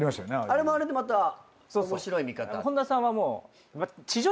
あれもあれでまた面白い見方。